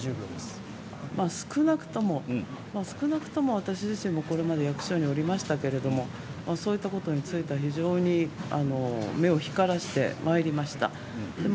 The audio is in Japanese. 少なくとも、少なくとも私自身もこれまで役所におりましたけれどもそういったことについては非常に目を光らせてまいりました。